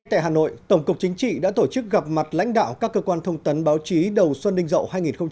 tại hà nội tổng cục chính trị đã tổ chức gặp mặt lãnh đạo các cơ quan thông tấn báo chí đầu xuân ninh dậu hai nghìn hai mươi